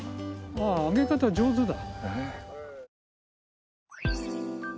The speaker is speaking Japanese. ああ揚げ方上手だ。